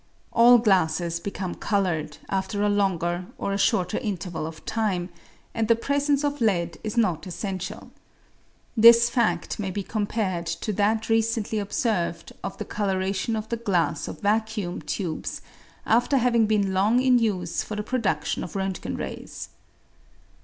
All glasses become coloured after a longer or a shorter interval of time, and the presence of lead is not essential. This facT: may be com pared to that recently observed of the colouration of the glass of vacuum tubes, after having been long in use for the produdion of Rnntgen rays.